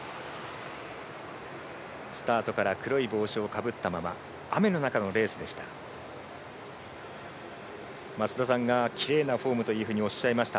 スタートから黒い帽子をかぶったまま雨の中のレースでした。